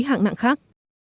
hạng nặng khác